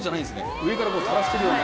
上から垂らしてるような。